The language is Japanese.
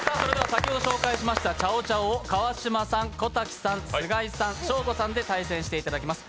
先ほど紹介しましたチャオチャオを川島さん、小瀧さん、菅井さん、ショーゴさんで対決していただきます。